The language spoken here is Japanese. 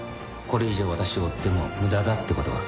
「これ以上私を追っても無駄だってことが」